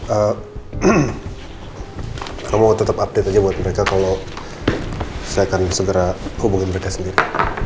hmm kamu tetap update aja buat mereka kalau saya akan segera hubungin mereka sendiri